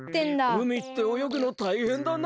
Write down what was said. うみっておよぐのたいへんだな。